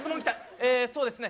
えそうですね